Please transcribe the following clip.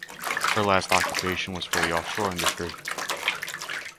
Her last occupation was for the offshore industry.